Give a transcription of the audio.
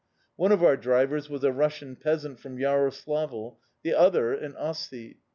One of our drivers was a Russian peasant from Yaroslavl, the other, an Ossete.